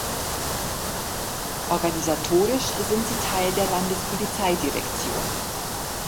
Organisatorisch sind sie Teil der Landespolizeidirektion.